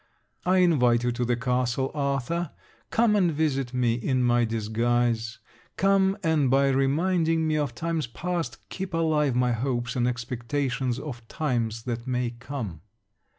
I invite you to the castle, Arthur, come and visit me in my disguise; come and by reminding me of times past, keep alive my hopes and expectations of times that may come.